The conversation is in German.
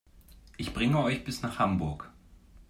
Ich bringe euch bis nach Hamburg